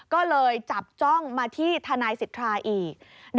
ก็เลยจับจ้องมาที่ทนายสิทธาอีก